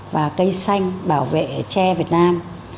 và cây xanh bảo vệ tre việt nam